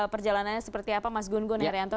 perjalanannya seperti apa mas gun gun herianto